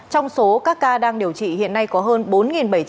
trong số các ca đang điều trị hiện nay có hơn bốn triệu bệnh nhân covid một mươi chín